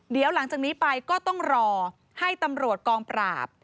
เดี๋ยวหลังจากนี้ไปก็ต้องรอให้ตำรวจกองปราบ